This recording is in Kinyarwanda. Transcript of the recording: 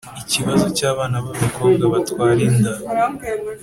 Ikibazo cy abana b abakobwa batwara inda